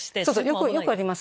よくあります。